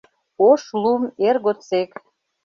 Ош лум эр годсек.